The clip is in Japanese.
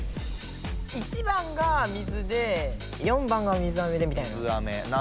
１番が水で４番が水あめでみたいな。